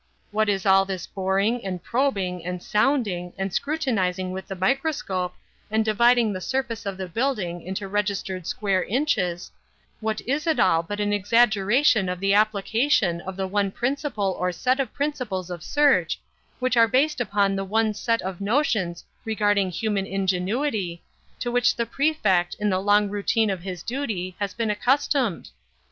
What is all this boring, and probing, and sounding, and scrutinizing with the microscope and dividing the surface of the building into registered square inches—what is it all but an exaggeration of the application of the one principle or set of principles of search, which are based upon the one set of notions regarding human ingenuity, to which the Prefect, in the long routine of his duty, has been accustomed?